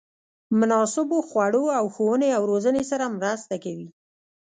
مناسبو خوړو او ښوونې او روزنې سره مرسته کوي.